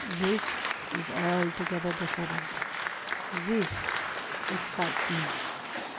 ''This is altogether different. This excites me."